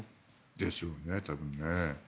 でしょうね、多分ね。